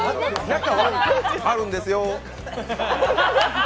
中は、あるんですよ。